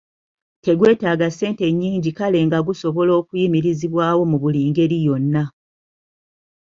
Tegwetaaga ssente nnyingi kale nga gusobola okuyimirizibwawo mu buli ngeri yonna.